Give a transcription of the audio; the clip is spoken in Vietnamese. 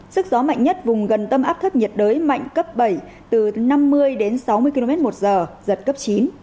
sức gió mạnh nhất vùng gần tâm áp thấp nhiệt đới mạnh cấp bảy từ năm mươi đến sáu mươi km một giờ giật cấp chín